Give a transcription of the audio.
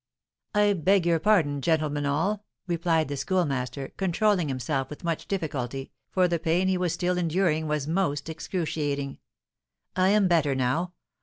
"I beg your pardon, gentlemen all," replied the Schoolmaster, controlling himself with much difficulty, for the pain he was still enduring was most excruciating. "I am better now.